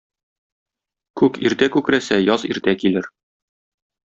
Күк иртә күкрәсә, яз иртә килер.